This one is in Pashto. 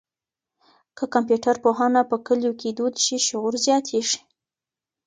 که کمپيوټر پوهنه په کلیو کي دود شي، شعور زیاتېږي.